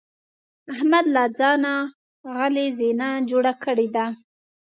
احمد له ځان نه علي زینه جوړه کړې ده.